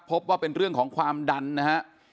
พบว่าเป็นเรื่องของความดันนะฮะ